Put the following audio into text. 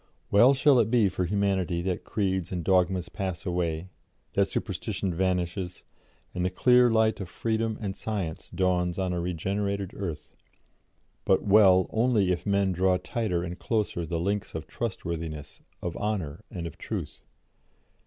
Well shall it be for humanity that creeds and dogmas pass away, that superstition vanishes, and the clear light of freedom and science dawns on a regenerated earth but well only if men draw tighter and closer the links of trustworthiness, of honour, and of truth.